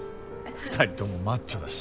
２人ともマッチョだし。